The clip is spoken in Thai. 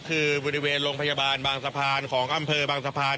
คือบริเวณโรงพยาบาลบางสะพานของอำเภอบางสะพาน